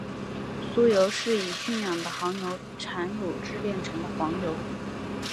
酥油是以驯养的牦牛的产乳制成的黄油。